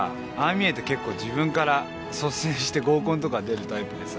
見えて結構自分から率先して合コンとか出るタイプでさ。